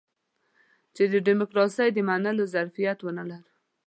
چې د ډيموکراسۍ د منلو ظرفيت ونه لرو.